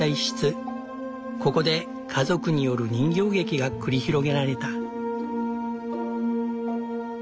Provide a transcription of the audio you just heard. ここで家族による人形劇が繰り広げられた。